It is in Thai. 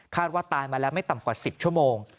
ว่าตายมาแล้วไม่ต่ำกว่า๑๐ชั่วโมง